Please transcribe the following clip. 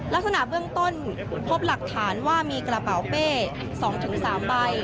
ลักษณะเบื้องต้นพบหลักฐานว่ามีกระเป๋าเป้๒๓ใบ